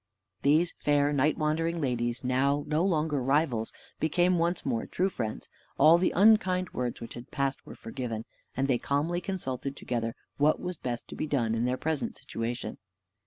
These fair night wandering ladies, now no longer rivals, became once more true friends; all the unkind words which had passed were forgiven, and they calmly consulted together what was best to be done in their present situation.